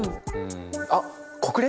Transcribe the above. あっ国連！？